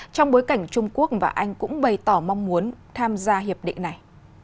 trong bối cảnh trung quốc và anh cũng bày tỏ mong muốn tham gia hiệp định này